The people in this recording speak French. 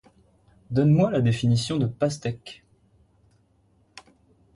Donne moi la définition de pastèque.